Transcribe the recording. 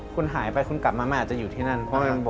คุณหายไปคุณกลับมาไม่อาจจะอยู่ที่นั่น